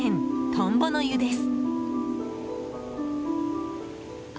トンボの湯です。